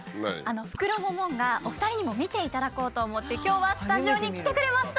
フクロモモンガお二人にも見ていただこうと思って今日はスタジオに来てくれました。